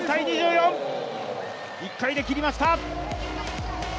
１回で切りました！